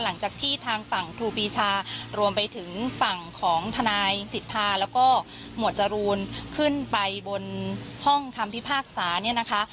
หลังจากที่ทางฝั่งครูปีชารวมไปถึงฝั่งของทนายสิทธาแล้วก็หมวดจรูนขึ้นไปบนห้องคำพิพากษาเนี่ยนะคะ